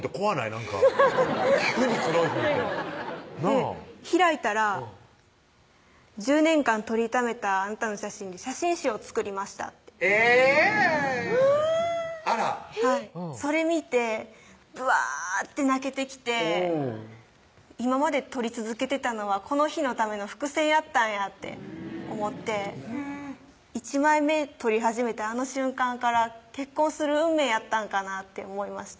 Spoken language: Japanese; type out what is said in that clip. なんか急に黒い本ってなぁ開いたら「１０年間撮りためたあなたの写真で写真集を作りました」ってえぇあらっそれ見てブワーッて泣けてきて今まで撮り続けてたのはこの日のための伏線やったんやって思って１枚目撮り始めたあの瞬間から結婚する運命やったんかなって思いました